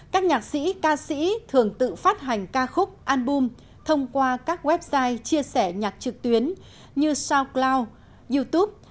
các nhạc sĩ ca sĩ thường tự phát hành ca khúc album thông qua các website chia sẻ nhạc trực tuyến như sout cloud youtube